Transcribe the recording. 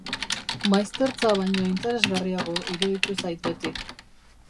Maiztertza baino interesgarriago iruditu zait beti.